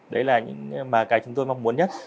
đấy là những cái chúng tôi mong muốn nhất